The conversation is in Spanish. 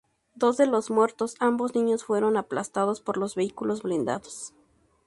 Dos de los muertos, ambos niños, fueron aplastados por los vehículos blindados.